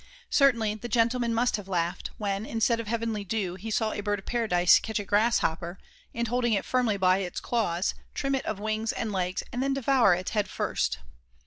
Certainly, the gentleman must have laughed, when, instead of heavenly dew, he saw a BIRD OF PARADISE catch a Grass hopper and holding it firmly by his claws, trim it of wings and legs, then devour it, head first.